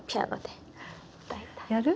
やる？